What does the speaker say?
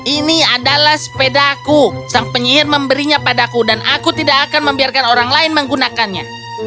ini adalah sepedaku sang penyihir memberinya padaku dan aku tidak akan membiarkan orang lain menggunakannya